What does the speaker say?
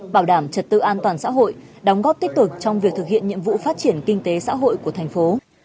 bảo đảm trật tự an toàn xã hội đóng góp tích cực trong việc thực hiện nhiệm vụ phát triển kinh tế xã hội của thành phố